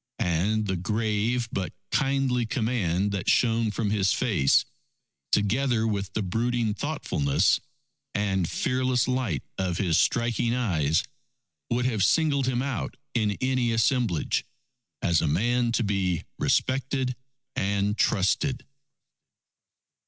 And the grave but kindly command that shone from his face, together with the brooding thoughtfulness and fearless light of his striking eyes, would have singled him out in any assemblage, as a man to be respected and trusted.